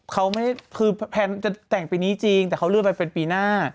เขาไม่คือแพลนจะแต่งปีนี้จริงแต่เขาเลื่อนไปเป็นปีหน้า